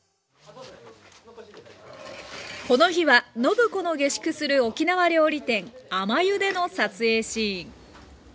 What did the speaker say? この日は暢子の下宿する沖縄料理店「あまゆ」での撮影シーン。